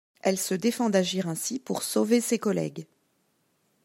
Elle se défend d'agir ainsi pour sauver ses collègues.